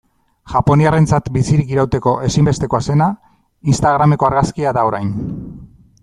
Japoniarrentzat bizirik irauteko ezinbestekoa zena, instagrameko argazkia da orain.